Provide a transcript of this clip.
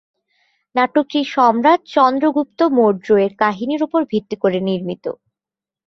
নাটকটি সম্রাট চন্দ্রগুপ্ত মৌর্য এর কাহিনির উপর ভিত্তি করে নির্মিত।